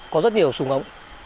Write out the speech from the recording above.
có rất nhiều súng ống